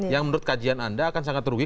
yang menurut kajian anda akan sangat rugi